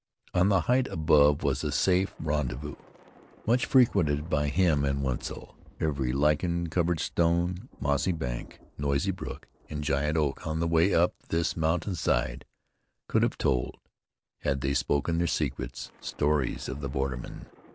On the height above was a safe rendezvous, much frequented by him and Wetzel. Every lichen covered stone, mossy bank, noisy brook and giant oak on the way up this mountain side, could have told, had they spoken their secrets, stories of the bordermen.